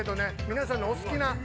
皆さんのお好きな。